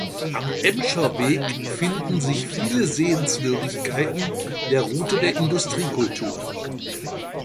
Am Emscher-Weg finden sich viele Sehenswürdigkeiten der Route der Industriekultur.